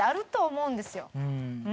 うん。